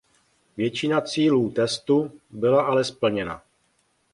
Většina cílů testu byla ale splněna.